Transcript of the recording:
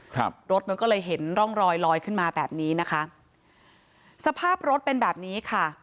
ครับรถมันก็เลยเห็นร่องรอยลอยขึ้นมาแบบนี้นะคะสภาพรถเป็นแบบนี้ค่ะ